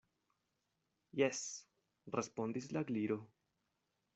"Jes," respondis la Gliro.